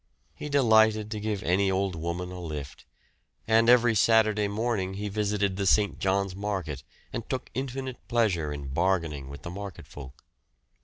He delighted to give any old woman a lift, and every Saturday morning he visited the St. John's market, and took infinite pleasure in bargaining with the market folk.